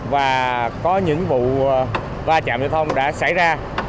và có những vụ va chạm giao thông đã xảy ra